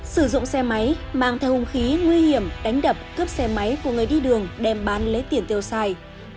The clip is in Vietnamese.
sử dụng xe máy mang theo hung khí nguy hiểm đánh đập cướp xe máy của người đi đường đem bán lấy tiền tiêu xài